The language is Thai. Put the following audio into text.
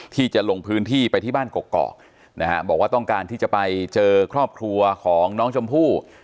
ที่จะลงพื้นที่ไปที่บ้านกกอกนะฮะบอกว่าต้องการที่จะไปเจอครอบครัวของน้องชมพู่